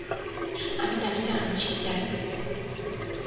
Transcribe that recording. আমি তালিকা আনছি, স্যার।